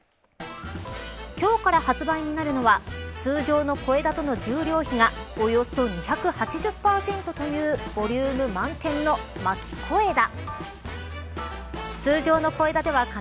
今日から発売になるのは通常の小枝との重量比がおよそ２８０％というボリューム満点の薪小枝。